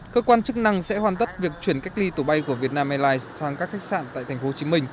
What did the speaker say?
cơ quan chức năng sẽ hoàn tất việc chuyển cách ly tổ bay của vietnam airlines sang các khách sạn tại tp hcm